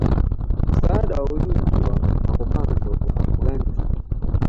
msaada wa ulinzi wa makomando wa Afghanistan